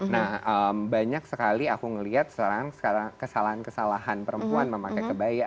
nah banyak sekali aku ngelihat sekarang kesalahan kesalahan perempuan memakai kebaya